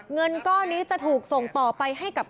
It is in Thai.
เงินก้อนนี้จะถูกส่งต่อไปให้กับ